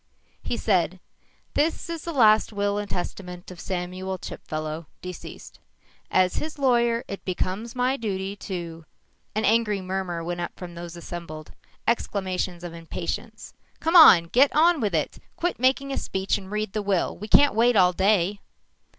He said, "This is the last will and testament of Samuel Chipfellow, deceased. As his lawyer, it becomes my duty to " An angry murmur went up from those assembled. Exclamations of impatience. "Come on! Get on with it. Quit making a speech and read the will, we can't wait all day!"